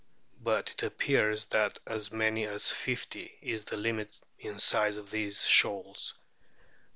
But it appears that as many as fifty is the limit in size of these shoals.